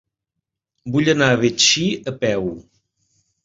Vull anar a Betxí a peu.